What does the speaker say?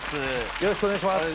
よろしくお願いします。